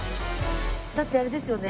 だってあれですよね